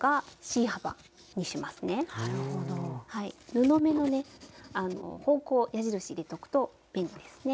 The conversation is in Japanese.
布目のね方向を矢印入れておくと便利ですね。